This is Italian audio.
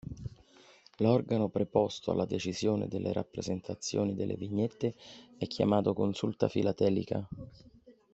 L'organo preposto alla decisione delle rappresentazioni delle vignette è chiamato "consulta filatelica".